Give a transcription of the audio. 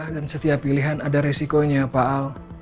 dan setiap pilihan ada resikonya pak al